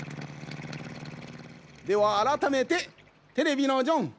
ではあらためてテレビのジョン。